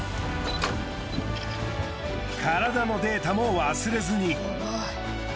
体のデータも忘れずに。